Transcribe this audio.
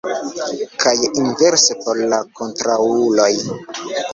Kaj inverse por la kontraŭuloj.